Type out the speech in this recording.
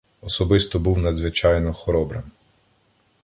Особисто був надзвичайно хоробрим.